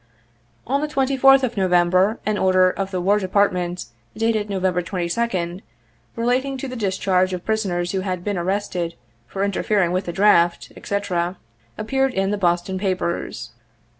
On the 24th of November an order of the War Depart ment, dated Ijov. 22d., relating to the discharge of prison ers who had been arrested for interfering with the draft, &c, appeared in the Boston papers.